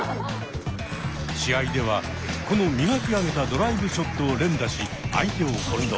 試合ではこの磨き上げたドライブショットを連打し相手を翻弄。